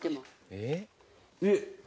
えっ？